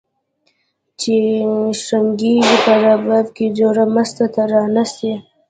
چي شرنګیږي په رباب کي جوړه مسته ترانه سي